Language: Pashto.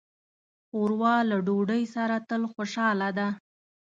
ښوروا له ډوډۍ سره تل خوشاله ده.